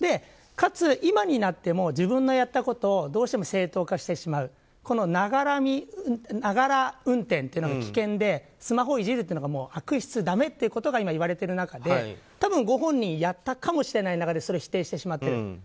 かつ、今になっても自分のやったことをどうしても正当化してしまう。ながら運転というのが危険でスマホをいじるっていうのが悪質、だめっていうことがいわれている中で多分ご本人やったかもしれない中でそれを否定してしまっている。